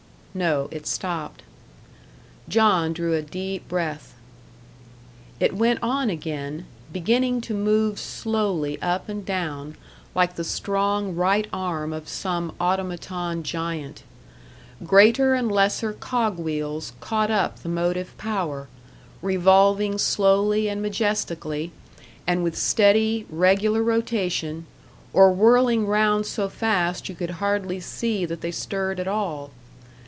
No, it stopped. John drew a deep breath. It went on again, beginning to move slowly up and down, like the strong right arm of some automaton giant. Greater and lesser cog wheels caught up the motive power, revolving slowly and majestically, and with steady, regular rotation, or whirling round so fast you could hardly see that they stirred at all.